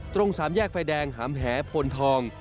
ตรงสามแยกไฟแดงหามแหพลทอง